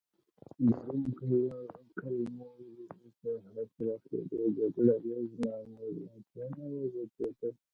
د روم قلمرو په پراخېدو جګړه ییز ماموریتونه وغځېدل